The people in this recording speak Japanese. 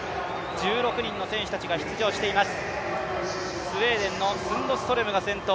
１６人の選手たちが出場しています。